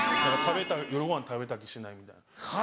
夜ごはん食べた気しないみたいな。